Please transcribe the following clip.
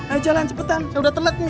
eh jalan cepetan saya udah telat nih